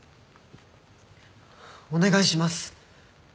お願いします。